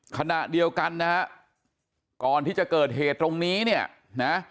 ขณะเดียวกันนะฮะก่อนที่จะเกิดเหตุตรงนี้เนี่ยนะ